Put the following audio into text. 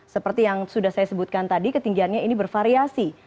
seperti yang sudah saya sebutkan tadi ketinggiannya ini bervariasi